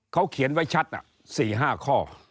เขาเขียนไว้ชัด๔๕ข้อ